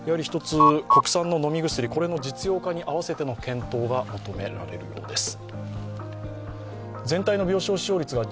国産の飲み薬の実用化に合わせての検討が求められるようです。